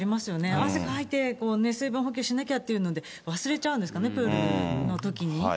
汗かいて水分補給しなきゃっていうので、忘れちゃうんですかね、プールのときに。